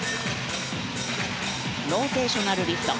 ローテーショナルリフト。